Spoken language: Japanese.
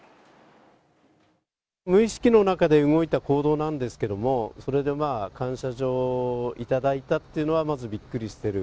無意識の中で動いた行動なんですけども、それでまあ、感謝状を頂いたっていうのは、まずびっくりしてる。